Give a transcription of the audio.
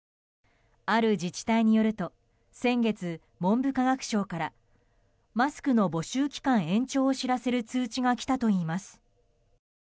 ある自治体によると先月、文部科学省からマスクの募集期間延長を知らせる通知が来たといいます。